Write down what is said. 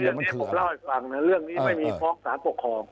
อย่างนี้ผมเล่าให้ฟังนะเรื่องนี้ไม่มีฟ้องสารปกครอง